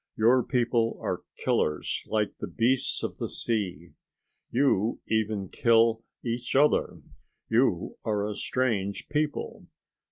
Your people are killers like the beasts of the sea. You even kill each other. You are a strange people.